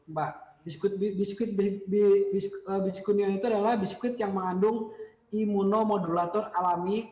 mbak biskuit biji kunio itu adalah biskuit yang mengandung imunomodulator alami